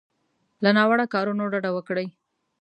له ناوړو کارونو ډډه وکړي.